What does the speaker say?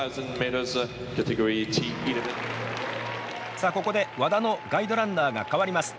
さあ、ここで和田のガイドランナーが代わります。